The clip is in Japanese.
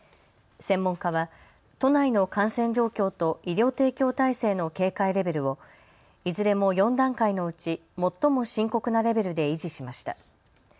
専門家は都内の感染状況と医療提供体制の警戒レベルをいずれも４段階のうち最も深刻なレベルで維持しました。